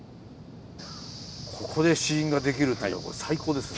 ここで試飲ができるってのは最高ですね。